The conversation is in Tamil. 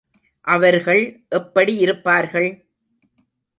அவர்கள் எப்படி இருப்பார்கள்?